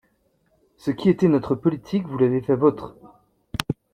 Ce qui était notre politique, vous l’avez faite vôtre.